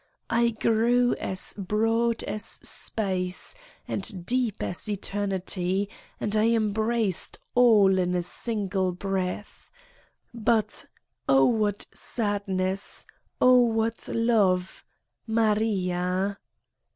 I grew as broad as space, as deep as eternity and I embraced all in a single breath ! But, oh, what sadness ! Oh, what love, Maria